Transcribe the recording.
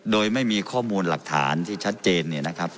โดยไม่มีข้อมูลหลักฐานที่ชัดเจนเนี่ยนะครับ